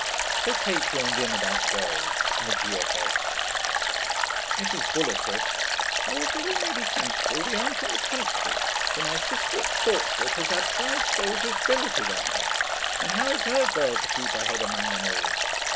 So Kate joined in about Girls and the G.F.S. Mrs. Buller said, 'However, we may be thankful we aren't in the country, for my sister at Stortford has had five soldiers billeted on her, and how is her girl to keep her head among them all?